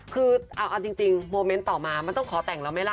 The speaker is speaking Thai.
คือเอาจริงโมเมนต์ต่อมามันต้องขอแต่งแล้วไหมล่ะ